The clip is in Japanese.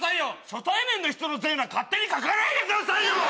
初対面の人の全裸勝手に描かないでくださいよ！